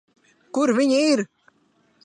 Kur viņi ir?